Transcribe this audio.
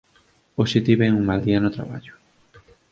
Hoxe tiven un mal día no traballo.